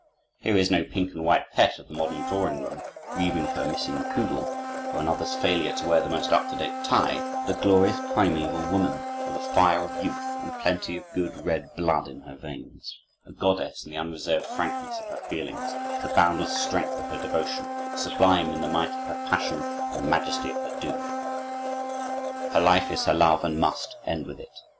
Here is no pink and white pet of the modern drawing room, grieving for her missing poodle, or another's failure to wear the most up to date tie; but a glorious primeval woman, with the fire of youth and plenty of good red blood in her veins, a goddess in the unreserved frankness of her feelings, the boundless strength of her devotion, sublime in the might of her passion and the majesty of her doom. Her life is her love and must end with it.